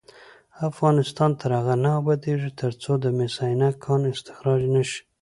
افغانستان تر هغو نه ابادیږي، ترڅو د مس عینک کان استخراج نشي.